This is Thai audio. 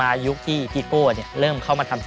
มาก่อนเก่งนะ